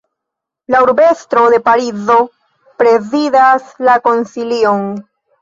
La urbestro de Parizo prezidas la konsilion.